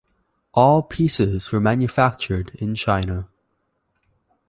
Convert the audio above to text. All pieces were manufactured in China.